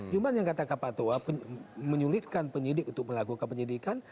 cuma yang kata pak toha menyulitkan penyidik untuk melakukan penyelidikan